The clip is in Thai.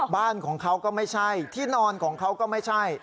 บ้านของเขาก็ไม่ใช่ที่นอนของเขาก็ไม่ใช่